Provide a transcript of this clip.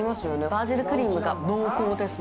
バジルクリームが濃厚です